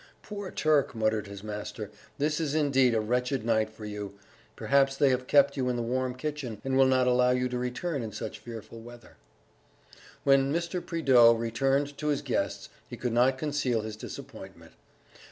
"Poor Turk!" muttered his master, "this is indeed a wretched night for you.... Perhaps they have kept you in the warm kitchen, and will not allow you to return in such fearful weather." When Mr. Prideaux returned to his guests he could not conceal his disappointment.